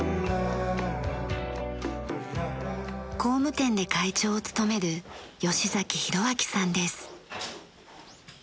工務店で会長を務める吉崎博章さんです。